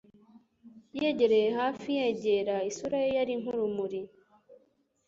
Yegereye hafi yegera! Isura ye yari nk'urumuri!